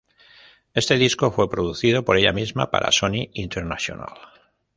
Este disco fue producido por ella misma para Sony International.